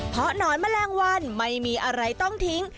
เพราะหนอนแมลงวันไม่มีอะไรต้องทิ้ง